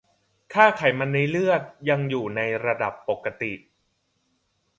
ค่าไขมันในเลือดยังอยู่ในระดับปกติ